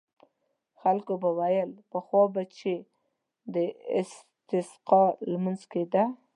خلکو به ویل پخوا به چې د استسقا لمونځ کېده.